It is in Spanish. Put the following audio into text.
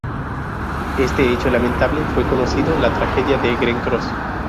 Este hecho lamentable fue conocido la tragedia de Green Cross.